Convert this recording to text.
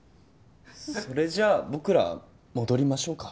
それじゃ僕ら戻りましょうか。